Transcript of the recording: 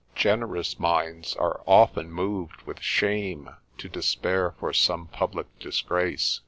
Generous minds are often moved with shame, to despair for some public disgrace.